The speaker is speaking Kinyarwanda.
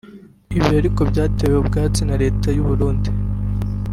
Ibi ariko byatewe utwatsi na Leta y’u Burundi